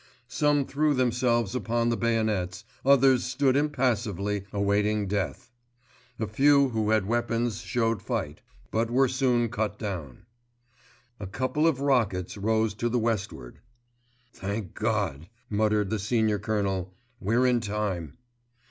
Some threw themselves upon the bayonets, others stood impassively awaiting death. A few who had weapons showed fight; but were soon cut down. A couple of rockets rose to the westward. "Thank God," muttered the Senior Colonel, "we're in time."